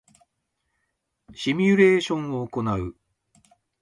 シミュレーションを行う